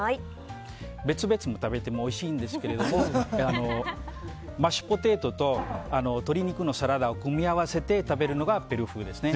別々に食べてもおいしいんですけれどもマッシュポテトと鶏肉のサラダを組み合わせて食べるのがペルー風ですね。